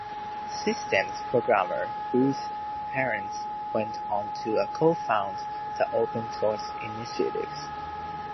Systems programmer Bruce Perens went on to co-found the Open Source initiative.